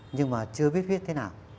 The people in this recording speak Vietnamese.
nhưng mà chưa biết viết thế nào